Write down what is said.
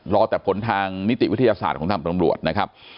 รอแต่ผลทางนิติวิทยาศาสตร์ของทางตำรวจนะครับ